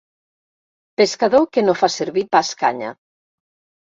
Pescador que no fa servir pas canya.